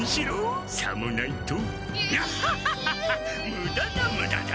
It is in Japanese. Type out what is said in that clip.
むだだむだだ！